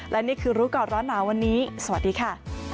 และนี่คือรู้ก่อนร้อนหนาวันนี้สวัสดีค่ะ